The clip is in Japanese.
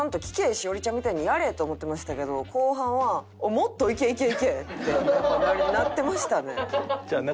「栞里ちゃんみたいにやれ！」って思ってましたけど後半は「もっといけいけいけ」ってなってましたね。